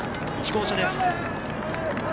１号車です。